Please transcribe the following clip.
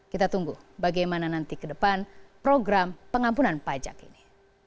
kita tunggu bagaimana nanti ke depan program pengampunan pajak ini